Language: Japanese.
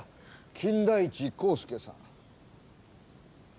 金田一耕助さん。